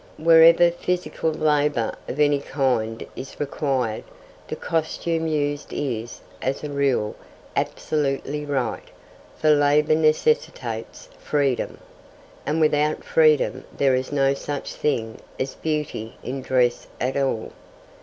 Wherever physical labour of any kind is required, the costume used is, as a rule, absolutely right, for labour necessitates freedom, and without freedom there is no such thing as beauty in dress at all.